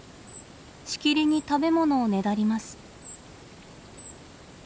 しきりに食べ物をねだります。